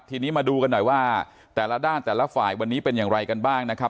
ทีนี้มาดูกันหน่อยว่าแต่ละด้านแต่ละฝ่ายวันนี้เป็นอย่างไรกันบ้างนะครับ